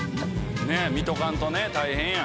見とかんとね大変や。